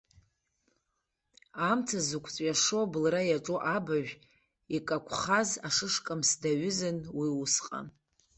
Амца зықәҵәиашо абылра иаҿу абажә икақәхаз ашышкамс даҩызан уи усҟан.